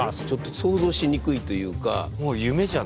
ちょっと想像しにくいというか。